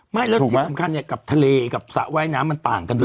ไม่แล้วที่สำคัญเนี่ยกับทะเลกับสระว่ายน้ำมันต่างกันด้วย